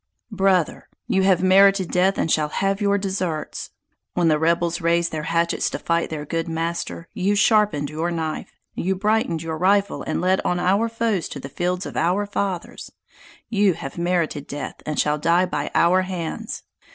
"Brother! you have merited death and shall have your deserts! When the rebels raised their hatchets to fight their good master, you sharpened your knife, you brightened your rifle and led on our foes to the fields of our fathers' You have merited death and shall die by our hands!